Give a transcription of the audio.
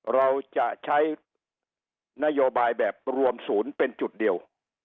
เราจะใช้นโยบายแบบรวมศูนย์เป็นจุดเดียว